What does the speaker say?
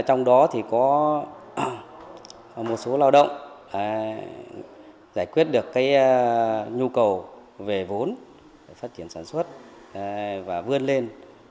trong đó thì có một số lao động giải quyết được nhu cầu về vốn phát triển sản xuất và vươn lên